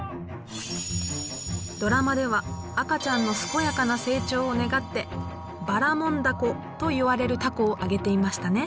ドラマでは赤ちゃんの健やかな成長を願ってばらもん凧といわれる凧をあげていましたね。